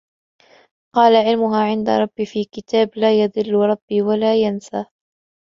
قال علمها عند ربي في كتاب لا يضل ربي ولا ينسى